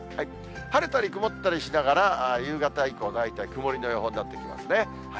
晴れたり曇ったりしながら、夕方以降、大体曇りの予報になってきますね。